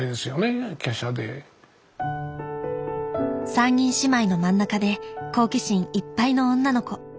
３人姉妹の真ん中で好奇心いっぱいの女の子。